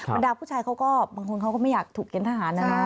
บรรดาผู้ชายเขาก็บางคนเขาก็ไม่อยากถูกเกณฑหารนะนะ